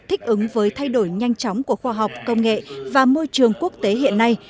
thích ứng với thay đổi nhanh chóng của khoa học công nghệ và môi trường quốc tế hiện nay